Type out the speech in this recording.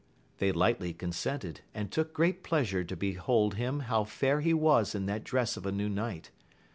They lightly consented, and took great pleasure to behold him how fair he was in that dress of a new knight.